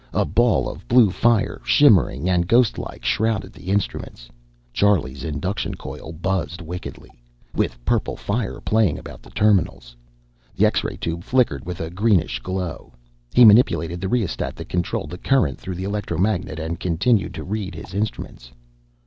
A ball of blue fire, shimmering and ghost like, shrouded the instruments. Charlie's induction coil buzzed wickedly, with purple fire playing about the terminals. The X ray tube flickered with a greenish glow. He manipulated the rheostat that controlled the current through the electromagnet, and continued to read his instruments.